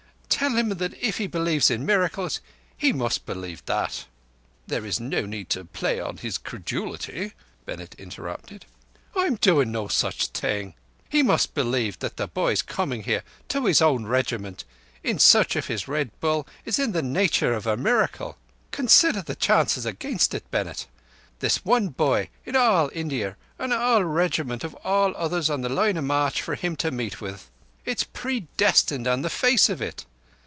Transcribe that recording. Tell him that if he believes in miracles he must believe that—" "There is no need to play on his credulity," Bennett interrupted. "I'm doing no such thing. He must believe that the boy's coming here—to his own Regiment—in search of his Red Bull is in the nature of a miracle. Consider the chances against it, Bennett. This one boy in all India, and our Regiment of all others on the line o' march for him to meet with! It's predestined on the face of it.